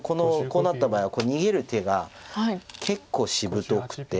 こうなった場合は逃げる手が結構しぶとくて。